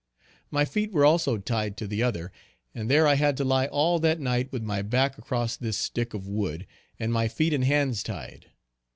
My feet were also tied to the other, and there I had to lie all that night with my back across this stick of wood, and my feet and hands tied.